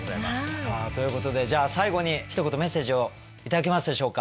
さあということでじゃあ最後にひと言メッセージを頂けますでしょうか。